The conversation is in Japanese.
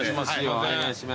お願いします。